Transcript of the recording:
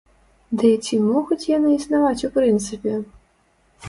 Ды і ці могуць яны існаваць у прынцыпе?